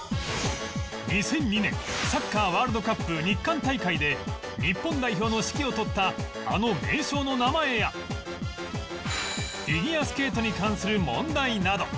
２００２年サッカーワールドカップ日韓大会で日本代表の指揮を執ったあの名将の名前やフィギュアスケートに関する問題など